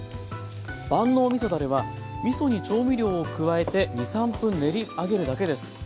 万能みそだれはみそに調味料を加えて２３分練り上げるだけです。